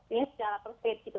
ini secara per stage gitu